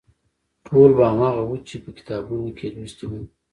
ټول به هماغه و چې په کتابونو کې یې لوستي وو.